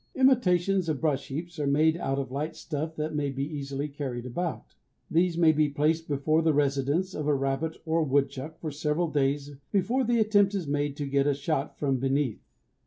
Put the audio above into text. Imitations of brush heaps are made out of light stuff that may easily be carried about. These may be placed before the residence of a rabbit or woodchuck for several days before the attempt is made to get a shot from beneath.